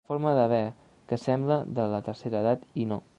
La forma d'haver que sembla de la tercera edat, i no.